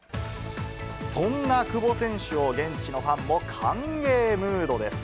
そんな久保選手を、現地のファンも歓迎ムードです。